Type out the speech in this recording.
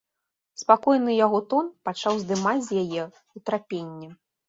Спакойны яго тон пачаў здымаць з яе ўтрапенне.